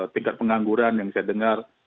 tingkat pengangguran yang saya dengar